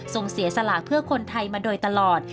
เสียสลากเพื่อคนไทยมาโดยตลอด